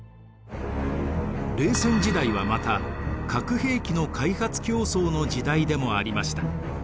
冷戦時代はまた核兵器の開発競争の時代でもありました。